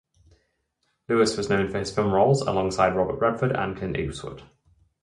Lewis was known for his film roles alongside Robert Redford and Clint Eastwood.